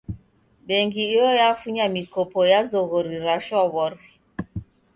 Bengi iyo yafunya mikopo ya zoghori ra shwaw'ori.